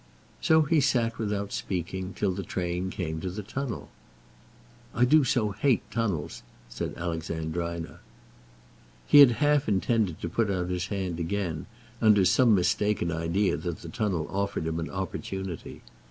So he sat without speaking, till the train came to the tunnel. "I do so hate tunnels," said Alexandrina. He had half intended to put out his hand again, under some mistaken idea that the tunnel afforded him an opportunity.